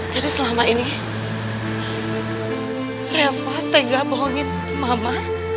jadi selama ini reva tega bohongin mama